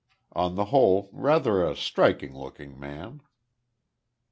On the whole, rather a striking looking man.